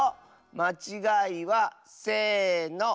まちがいはせの！